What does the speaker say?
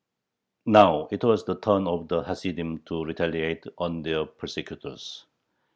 Now it was the turn of the Hasidim to retaliate on their persecutors.